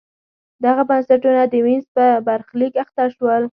دغه بنسټونه د وینز په برخلیک اخته شول.